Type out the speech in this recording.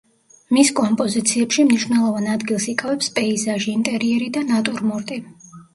მის კომპოზიციებში მნიშვნელოვან ადგილს იკავებს პეიზაჟი, ინტერიერი და ნატურმორტი.